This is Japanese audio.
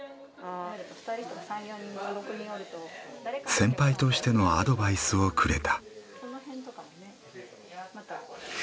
先輩としてのアドバイスをくれた。